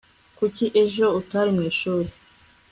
kuki ejo utari mwishuri